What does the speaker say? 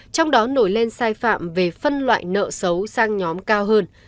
trong đó nổi lên sai phạm về phân loại nợ xấu sang nhóm cao hơn